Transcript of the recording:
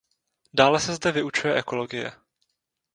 Dále se zde vyučuje ekologie.